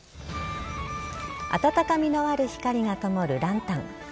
暖かみのある光がともるランタン。